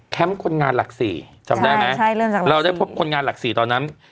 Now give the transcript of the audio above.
แคมป์คนงานหลักศรีจำได้ไหมเราได้พบคนงานหลักศรีตอนนั้น